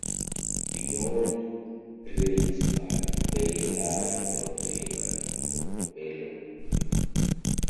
Beyond Raynbirds Bay lie Broad Bay and Portobello.